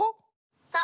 そう！